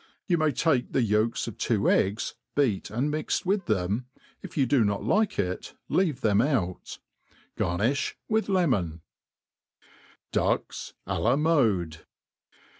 You itiay take the yolks of two eggs, beat and mixed with them \ if yott do not like it, leave them out; Garnifh With lemon* Ducks Alaniode.